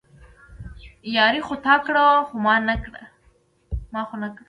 ياري خو تا کړه، ما خو نه کړه